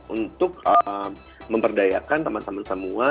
untuk memperdayakan teman teman semua